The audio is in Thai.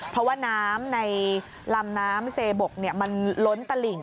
เพราะว่าน้ำในลำน้ำเซบกมันล้นตลิ่ง